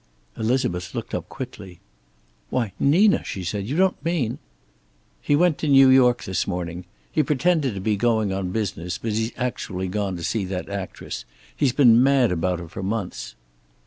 Elizabeth looked up quickly. "Why, Nina!" she said. "You don't mean " "He went to New York this morning. He pretended to be going on business, but he's actually gone to see that actress. He's been mad about her for months."